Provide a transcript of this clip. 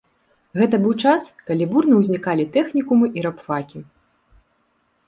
Гэта быў час, калі бурна ўзнікалі тэхнікумы і рабфакі.